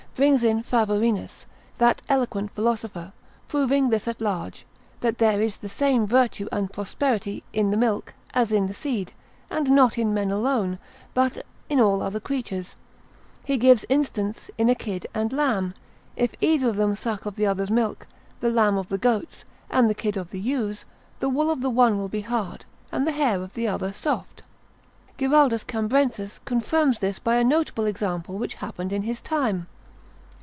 brings in Phavorinus, that eloquent philosopher, proving this at large, that there is the same virtue and property in the milk as in the seed, and not in men alone, but in all other creatures; he gives instance in a kid and lamb, if either of them suck of the other's milk, the lamb of the goat's, or the kid of the ewe's, the wool of the one will be hard, and the hair of the other soft. Giraldus Cambrensis Itinerar. Cambriae, l. 1. c. 2. confirms this by a notable example which happened in his time.